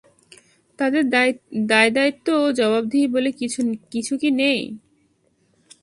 তাদের দায়দায়িত্ব ও জবাবদিহি বলে কিছু কি নেই?